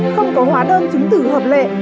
không có hóa đơn chứng tử hợp lệ